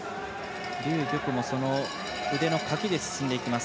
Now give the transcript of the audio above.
劉玉もその腕のかきで進んでいきます。